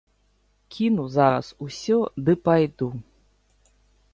Кіну зараз усё ды пайду.